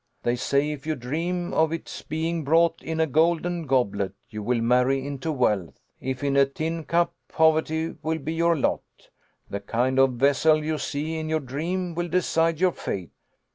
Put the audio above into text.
They say if you dream of its being brought in a golden goblet you will marry into wealth. If in a tin cup poverty will be your lot. The kind of vessel you see in your dream will decide your fate.